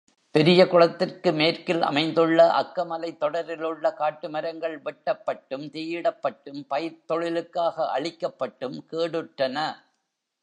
பெரிய குளத்திற்கு மேற்கில் அமைந்துள்ள அக்கமலைத்தொடரில் உள்ள காட்டு மரங்கள் வெட்டப்பட்டும், தீயிடப்பட்டும், பயிர்த் தொழிலுக்காக அழிக்கப்பட்டும் கேடுற்றன.